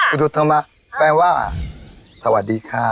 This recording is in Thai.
อุทุธรรมะแปลว่าสวัสดีค่ะ